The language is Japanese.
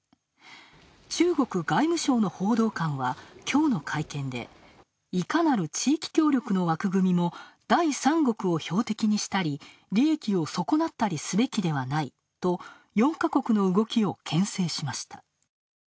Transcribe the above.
中国外務省の報道官は、きょうの会見でいかなる地域協力の枠組みも第三国を標的にしたり利益を損なったりすべきではないと４か国の動きをけん制しました。